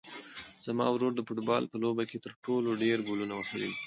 زما ورور د فوټبال په لوبه کې تر ټولو ډېر ګولونه وهلي دي.